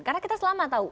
karena kita selama tahu